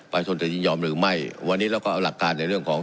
ประชาชนจะยินยอมหรือไม่วันนี้เราก็เอาหลักการในเรื่องของ